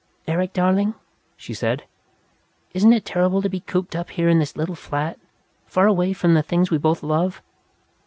"Eric, darling," she said, "isn't it terrible to be cooped up here in this little flat, away from the things we both love?"